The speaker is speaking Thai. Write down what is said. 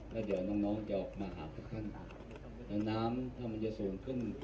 แล้วเดี๋ยวน้องน้องจะออกมาหาพวกท่านแล้วน้ำถ้ามันจะสูงขึ้น